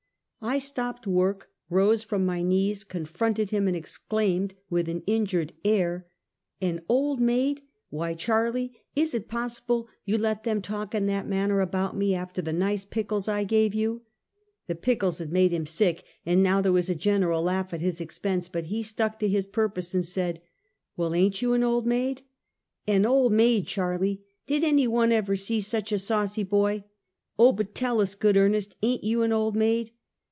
I stopped work, rose from my knees, confronted him and exclaimed, with an injured air; " An old maid! "Why Charlie! is it possible you let them talk in that manner about me, after the nice pickles I gave you?" The pickles had made him sick, and now there was a general laugh at his expense, but he stuck to his purpose and said: " "Well, ain't you an old maid?" " An old maid, Charlie? Did any one ever see such a saucy boy ?"" Oh, but tell us, good earnest, ain't you an old maid?"